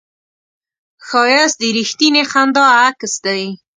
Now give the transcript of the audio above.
ښایست د رښتینې خندا عکس دی